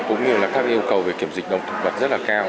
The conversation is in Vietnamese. cũng như là các yêu cầu về kiểm dịch động thực vật rất là cao